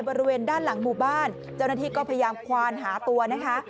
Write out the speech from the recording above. บริเวณด้านหลังหมู่บ้านเจ้าหน้าที่ก็พยายามควานหาตัวนะคะ